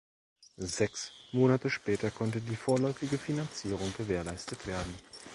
Sechs Monate später konnte die vorläufige Finanzierung gewährleistet werden.